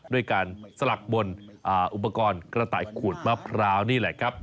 ด้วยการสลักบนอุปกรณ์กระต่ายขูดมะพร้าวนี่แหละครับ